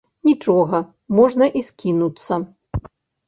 Нічога, можна і скінуцца.